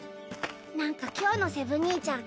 何か今日のセブ兄ちゃん